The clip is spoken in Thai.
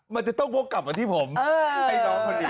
มันจะต้องวกกลับมาที่ผมไอ้น้องพอดี